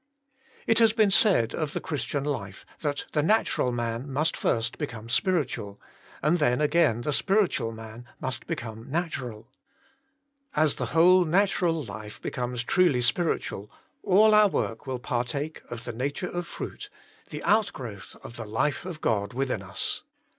It has been said of the Christian life that the natural man must first become spiritual, and then again the spiritual man must be come natural. As the whole natural life be comes truly spiritual, all our work will par take of the nature of fruit, the outgrowth of the life of God within us.